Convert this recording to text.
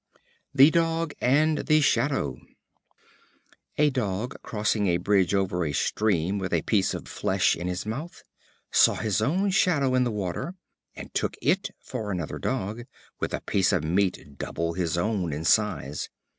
The Dog and the Shadow. A Dog, crossing a bridge over a stream with a piece of flesh in his mouth, saw his own shadow in the water, and took it for another Dog, with a piece of meat double his own in size.